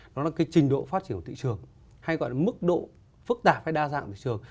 đó là cái trình độ phát triển của thị trường hay gọi là mức độ phức tạp hay đa dạng thị trường